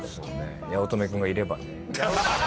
八乙女君がいればね。